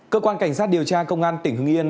cơ quan cảnh sát điều tra công an tỉnh hưng yên